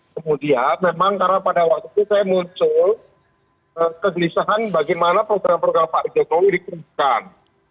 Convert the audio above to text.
kemudian memang karena pada waktu itu saya muncul kegelisahan bagaimana program program pak jokowi dikerjakan